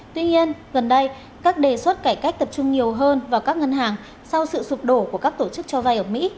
tuy nhiên gần đây các đề xuất cải cách tập trung nhiều hơn vào các ngân hàng sau sự sụp đổ của các tổ chức cho vay ở mỹ